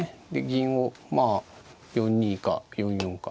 銀をまあ４二か４四か。